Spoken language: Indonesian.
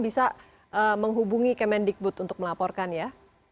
bisa menghubungi kemendikbud untuk melaporkan ya